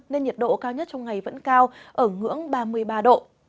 nên nhiệt độ cao nhất trong ngày vẫn cao ở ngưỡng ba mươi ba độ